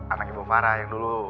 anak ibu fara yang dulu